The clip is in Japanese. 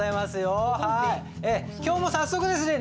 今日も早速ですね